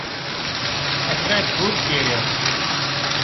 ککرانئي تٽ کوٻ ڪيڙيان